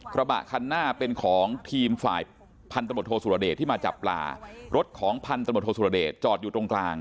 กระบะคันหน้าเป็นของทีมฝ่ายพันธบทโทสุรเดชที่มาจับปลารถของพันธมตโทษสุรเดชจอดอยู่ตรงกลาง